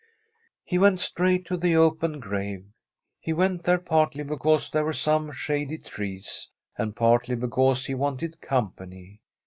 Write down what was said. He went straight to the open grave. He went there partly because there were some shady trees, and partly because he wanted com pany.